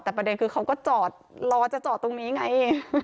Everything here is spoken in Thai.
แต่ประเด็นคือเขาก็จอดรอจะจอดตรงนี้ไง